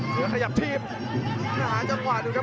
เสือขยับทีมหนาจากขวานดูครับ